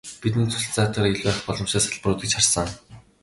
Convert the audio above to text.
Бидний туслалцаатайгаар илүү ахих боломжтой салбарууд гэж харсан.